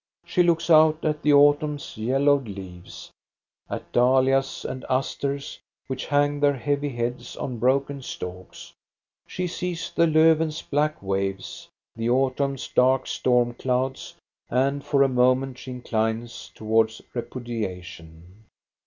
She looks out at the autumn's yellowed leaves, at dahlias and asters which hang their heavy heads on broken stalks. She sees the Lofven's black waves, the au tumn's dark storm clouds, and for a moment she inclines towards repudiation.